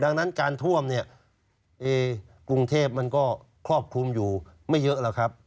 ดังนั้นการท่วมเนี่ยกรุงเทพมันก็ครอบคลุมอยู่ไม่เยอะหรอกครับ